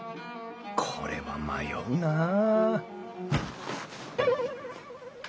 これは迷うなあ